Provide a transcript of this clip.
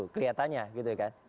kelihatannya gitu kan